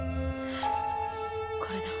これだ。